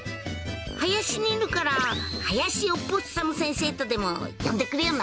林にいるから林オポッサム先生とでも呼んでくれよな！